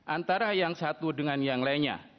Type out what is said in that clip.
antara yang satu dengan yang lainnya